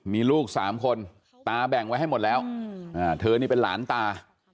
มีลูก๓คนตาแบ่งไว้ให้หมดแล้วเธอนี่เป็นหลานตา